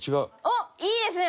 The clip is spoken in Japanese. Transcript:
おっいいですね